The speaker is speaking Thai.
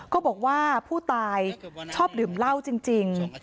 ก็บอกว่าผู้ตายชอบดื่มเหล้าจริง